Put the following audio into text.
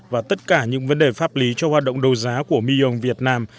và tất cả những vấn đề pháp lý cho hoạt động đấu giá của millon việt nam